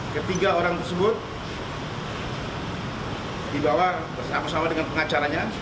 ketiga orang tersebut dibawa bersama dengan pengacaranya